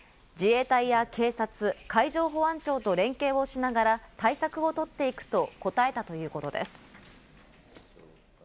自衛隊や警察、海上保安庁と連携をしながら対策を取っていくと答えたということです。